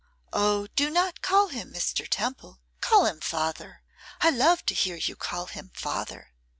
'Oh! do not call him Mr. Temple; call him father. I love to hear you call him father.